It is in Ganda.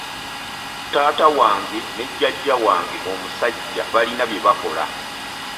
Taata wange ne jjajja wange omusajja balina bye bakola.